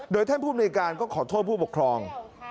โดยท่านภูมิในการก็ขอโทษผู้ปกครอง